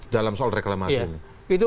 dalam soal reklamasi